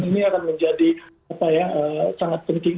ini akan menjadi sangat penting